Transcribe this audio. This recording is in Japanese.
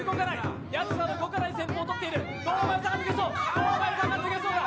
堂前さんが脱げそうだ。